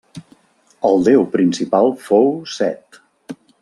El déu principal fou Set.